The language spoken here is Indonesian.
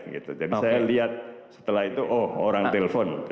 jadi saya lihat setelah itu oh orang telpon